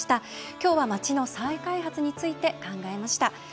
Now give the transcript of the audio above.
今日は街の再開発について考えました。